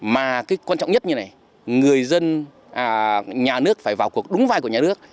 mà cái quan trọng nhất như này người dân nhà nước phải vào cuộc đúng vai của nhà nước